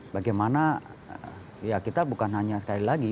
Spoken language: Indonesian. bagaimana ya kita bukan hanya sekali lagi